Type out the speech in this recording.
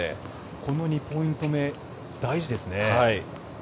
この２ポイント目大事ですね。